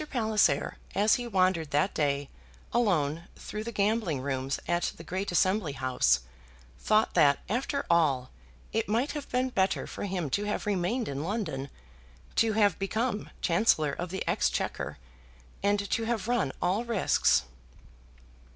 Palliser, as he wandered that day alone through the gambling rooms at the great Assembly House, thought that, after all, it might have been better for him to have remained in London, to have become Chancellor of the Exchequer, and to have run all risks.